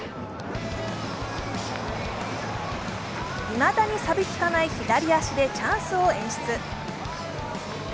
いまだにさびつかない左足でチャンスを演出。